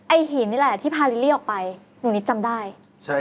หินนี่แหละที่พาลิลลี่ออกไปหนูนิดจำได้ใช่